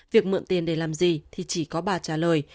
việc mượn tiền để làm gì thì chỉ có bà trả lời